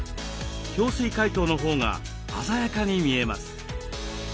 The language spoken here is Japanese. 氷水解凍のほうが鮮やかに見えます。